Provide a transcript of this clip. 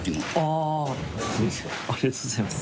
ありがとうございます。